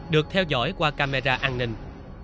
được theo dõi qua camera an ninh